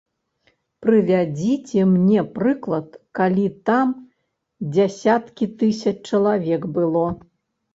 Прывядзіце мне прыклад, калі там дзясяткі тысяч чалавек было?